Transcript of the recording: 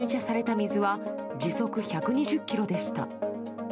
噴射された水は時速１２０キロでした。